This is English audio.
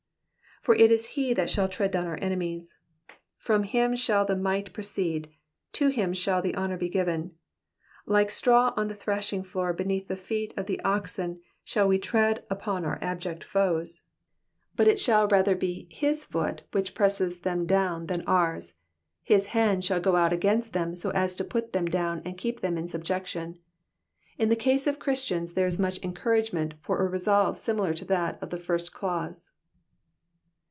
''''For he it is that shall tread down our enendesy From him shall the might proceed, to him shall the honour be given. Like straw on the thrashing fioor beneath the feet of the oxen shall we tread upon our abject foes, but it shall rather be his foot which presses them down than ours ; his hand shall go out against them so as to put them down and keep them in subjection. In the case of Christians there is much encourage ment for a resolve similar to that of the first clause.